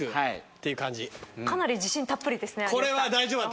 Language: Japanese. かなり自信たっぷりですね。